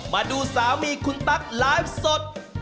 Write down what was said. มาดูสามีคุณตั๊กไลฟ์สด